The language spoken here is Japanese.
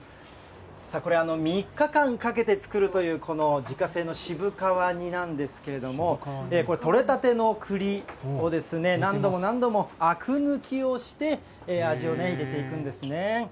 これ、３日間かけて作るという、この自家製の渋皮煮なんですけれども、これ、取れたての栗をですね、何度も何度もあく抜きをして、味を入れていくんですね。